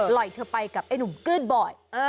เธอไปกับไอ้หนุ่มกื้นบ่อย